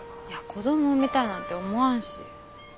いや子供産みたいなんて思わんし。